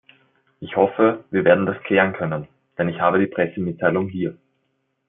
Ich hoffe, wir werden das klären können, denn ich habe die Pressemitteilung hier.